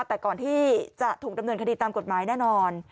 แต่ก่อนที่จะถูกดำเนินคดีตามกฎหมายแน่นอน